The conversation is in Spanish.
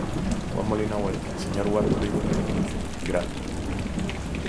Juan Molina Huertas, Sr. Waldo Olivos Rengifo, Gral.